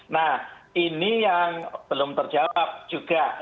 nah ini yang belum terjawab juga